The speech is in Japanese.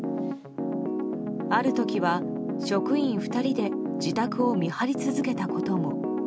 ある時は職員２人で自宅を見張り続けたことも。